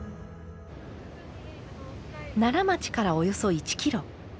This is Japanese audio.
奈良町からおよそ１キロ。